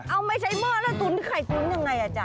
เอาไม่ใช้หม้อแล้วตุ้นไข่ตุ้นยังไงอ่ะจ๊